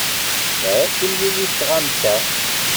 Tesɛiḍ timlilit d tɣamsa.